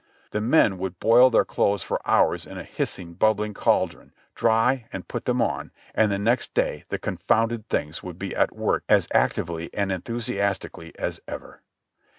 The men would boil their clothes for hours in a hissing, bubbling cauldron, dry and put them on, and the next day the confounded things would be at work as actively and enthusiastically as ever.